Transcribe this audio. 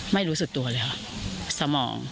ไม่รู้สึกตัวเลยค่ะสมอง